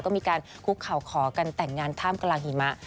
ก็มีการคุกเข่าขอกันแต่งงานท่ามกลางหิมะ